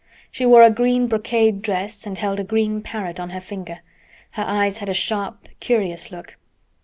She wore a green brocade dress and held a green parrot on her finger. Her eyes had a sharp, curious look.